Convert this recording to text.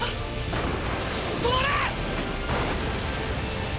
止まれ！